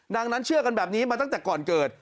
ดังนั้นเชื่อกันแบบนี้มาตั้งแต่ก่อนเกิด